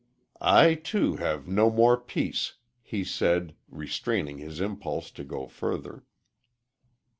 "I, too, have no more peace," he said, restraining his impulse to go further.